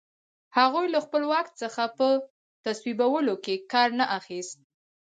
هغوی له خپل واک څخه په تصویبولو کې کار نه اخیست.